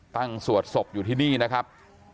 สวดศพอยู่ที่นี่นะครับ